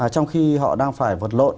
trong khi họ đang phải vật lộn